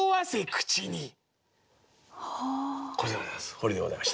これでございます。